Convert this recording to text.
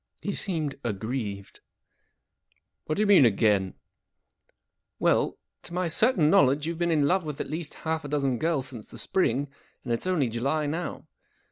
He seemed aggrieved. 44 What do you mean—again ?" 44 Well, to my certain knowledge you've been In love with at least half a dozen girls since the spring, and it's only July now.